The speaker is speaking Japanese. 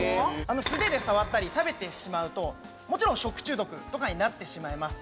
素手で触ったり食べてしまうともちろん食中毒とかになってしまいます